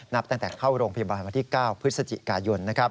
นับตั้งแต่เข้าโรงพยาบาลวันที่๙พฤศจิกายน